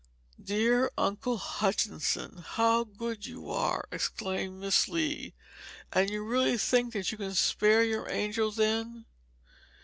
"Dear Uncle Hutchinson, how good you are!" exclaimed Miss Lee. "And you really think that you can spare your angel, then?"